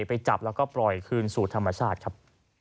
ไปจับแล้วก็ปล่อยคืนสู่ธรรมชาติครับ